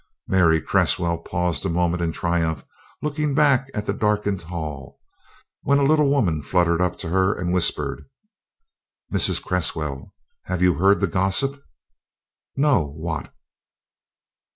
Mary Cresswell paused a moment in triumph looking back at the darkened hall, when a little woman fluttered up to her and whispered: "Mrs. Cresswell, have you heard the gossip?" "No what?"